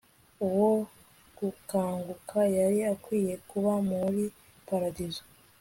uwo gukanguka yari akwiye kuba muri paradizo